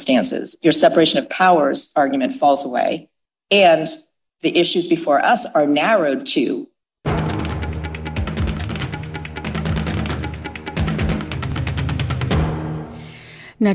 tim hukum trump berusaha meyakinkan panel yang terdiri dari tiga hakim